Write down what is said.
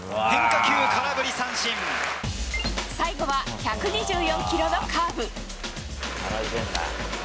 最後は１２４キロのカーブ。